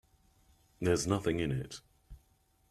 There's nothing in it.